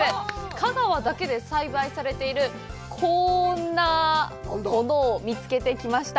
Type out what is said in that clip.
香川だけで栽培されている、こーんなものを見つけてきました。